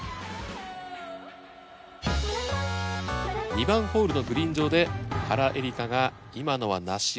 ２番ホールのグリーン上で原英莉花が「今のはナシよ！」